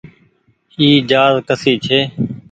اي جهآز ڪسي ڇي۔